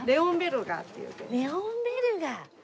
レオンベルガー。